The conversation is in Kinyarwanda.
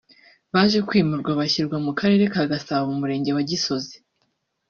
baje kwimurwa bashyirwa mu Karere ka Gasabo mu Murenge wa Gisozi